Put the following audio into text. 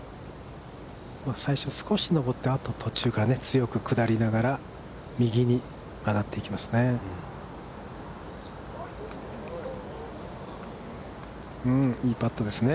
最初少し上って途中が強く下りながら右に曲がっていきますね。